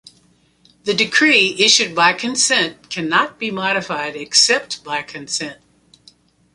The decree issued by consent cannot be modified, except by consent.